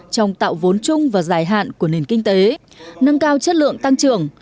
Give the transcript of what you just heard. trong tạo vốn chung và dài hạn của nền kinh tế nâng cao chất lượng tăng trưởng